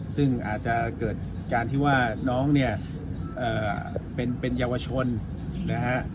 ซึ่งอาจจะเกิดการที่ว่าน้องเนี่ยเป็นเยาวชนนะฮะ